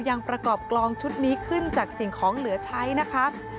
ยังประกอบกลองชุดนี้ขึ้นจากสิ่งของเหลือใช้นะคะ